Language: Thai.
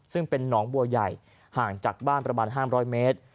ซึ่งเป็นหนองบัวใหญ่ห่างจากบ้านประมาณ๕๐๐เมตร